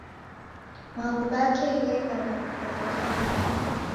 Maghu ghake gheka na w'ukongo fulani.